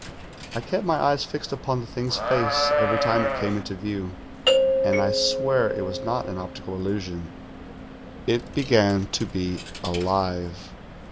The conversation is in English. I kept my eyes fixed upon the thing's face every time it came into view, and I swear it was not an optical illusion — it begem to be alive.